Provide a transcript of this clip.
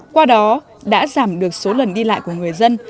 qua đó đã giảm được số lần đi lại của người dân